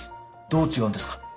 どう違うんですか？